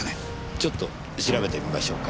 ちょっと調べてみましょうか。